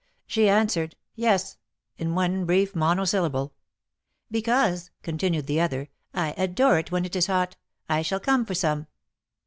She answered, "Yes," in one brief monosyllable. " Because," continued the other, " I adore it when it is hot. I shall come for some."